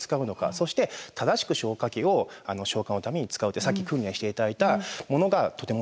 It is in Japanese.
そして正しく消火器を消火のために使うってさっき訓練して頂いたものがとても必要なんですね。